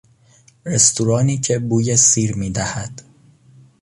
رستورانی که بوی سیر میدهد